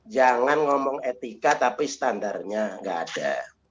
jangan ngomong etika tapi standarnya nggak ada